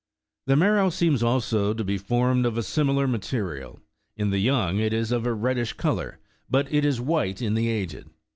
The marrow seems also to be formed of a similar material ; in the young it is of a reddish colour, but it is white in the aged.